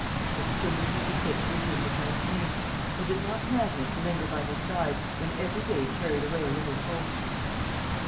How soon would he be fit to resume the campaign? Was it not madness to linger by his side, when every day carried away a little hope?